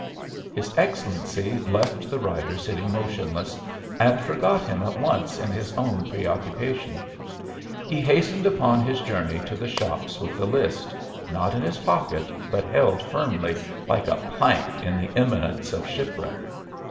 His Excellency left the rider sitting motionless, and forgot him at once in his own preoccupation. He hastened upon his journey to the shops with the list, not in his pocket, but held firmly, like a plank in the imminence of shipwreck.